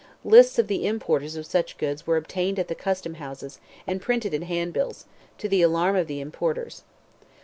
Lists of the importers of such goods were obtained at the custom houses, and printed in handbills, to the alarm of the importers.